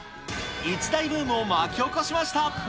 一大ブームを巻き起こしました。